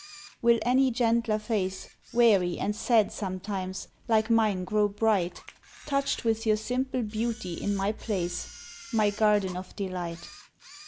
Will any gentler face, Weary and sad sometimes, like mine grow bright Touched with your simple beauty in my place, My garden of delight?